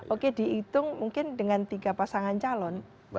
oke dihitung mungkin dengan tiga pasangan calon